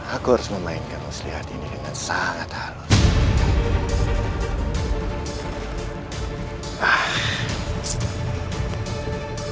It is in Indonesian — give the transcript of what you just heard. aku harus memainkan muslihat ini dengan sangat halal